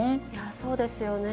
そうですよね。